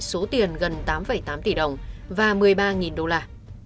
số tiền gần tám tám tỷ đồng và một mươi ba đô la